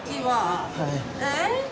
はい。